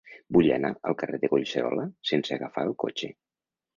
Vull anar al carrer de Collserola sense agafar el cotxe.